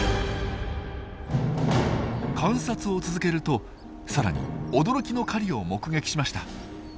観察を続けるとさらに驚きの狩りを目撃しました。